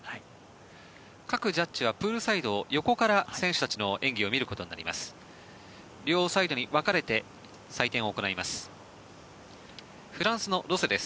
各ジャッジはプールサイドから選手たちの演技を見ることになります。